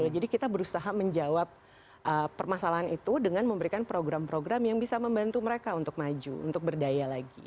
jadi kita berusaha menjawab permasalahan itu dengan memberikan program program yang bisa membantu mereka untuk maju untuk berdaya lagi